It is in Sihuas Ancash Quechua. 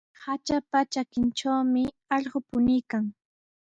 Hatrapa trakintrawmi allqu puñuykan.